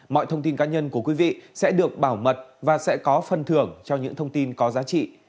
mọi thông tin cá nhân của quý vị sẽ được bảo mật và sẽ có phân thưởng cho những thông tin có giá trị